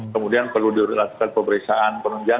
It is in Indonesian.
kemudian perlu dilaksanakan pemeriksaan penunjukan